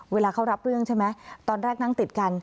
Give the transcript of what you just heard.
เวลาเขารับเรื่องใช่ไหมตอนแรกนั่งติดกัน